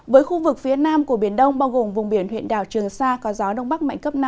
với khu vực phía nam của biển đông bao gồm vùng biển huyện đảo trường sa có gió đông bắc mạnh cấp năm